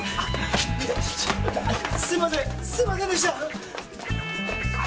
すみませんすみませんでした！